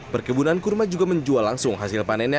perkebunan kurma juga menjual langsung hasil panennya